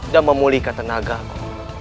dan memulihkan tenagaku